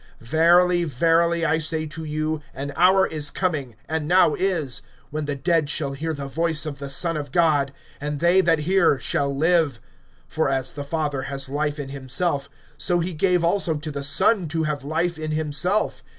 (25)Verily, verily, I say to you, an hour is coming, and now is, when the dead shall hear the voice of the Son of God; and they that hear shall live. (26)For as the Father has life in himself, so he gave also to the Son to have life in himself.